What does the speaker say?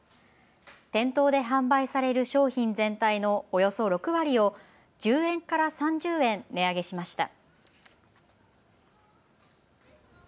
店頭で販売される商品全体のおよそ６割を１０円から３０円値上げしました。